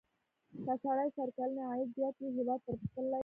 که سړي سر کلنی عاید زیات وي هېواد پرمختللی دی.